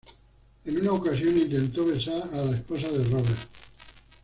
En una ocasión, intentó besar a la esposa de Roberts.